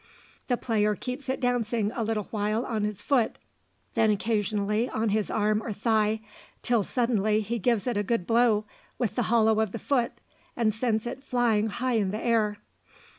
The player keeps it dancing a little while on his foot, then occasionally on his arm or thigh, till suddenly he gives it a good blow with the hollow of the foot, and sends it flying high in the air.